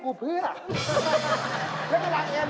เกมจบเพิ่มสอง